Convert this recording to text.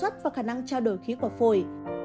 trao đổi khí của phổi